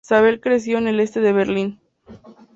Zabel creció en el Este de Berlín.